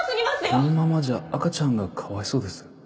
このままじゃ赤ちゃんがかわいそうです。